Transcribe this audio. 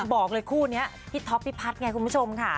บอกเลยคู่นี้พี่ท็อปพี่พัฒน์ไงคุณผู้ชมค่ะ